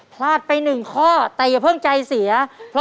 พลาดไปหนึ่งข้อแต่อย่าเพิ่งใจเสีย